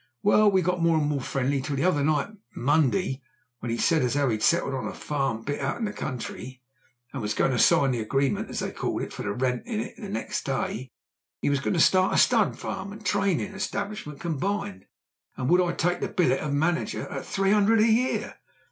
Well, we got more and more friendly till the other night, Monday, when he said as how he'd settled on a farm a bit out in the country, and was going to sign the agreement, as they called it, for to rent it next day. He was goin' to start a stud farm and trainin' establishment combined, and would I take the billet of manager at three 'undred a year?